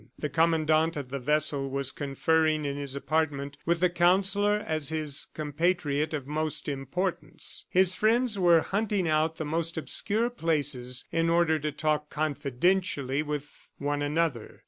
The Commandant of the vessel was conferring in his apartment with the Counsellor as his compatriot of most importance. His friends were hunting out the most obscure places in order to talk confidentially with one another.